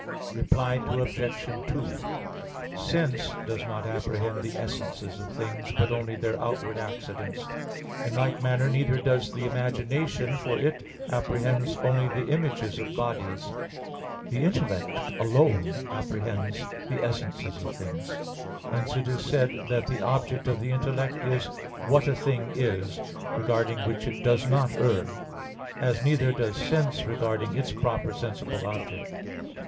Reply Obj. 2: Sense does not apprehend the essences of things, but only their outward accidents. In like manner neither does the imagination; for it apprehends only the images of bodies. The intellect alone apprehends the essences of things. Hence it is said (De Anima iii, text. 26) that the object of the intellect is "what a thing is," regarding which it does not err; as neither does sense regarding its proper sensible object.